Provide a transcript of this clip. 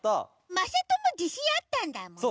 まさともじしんあったんだもんね。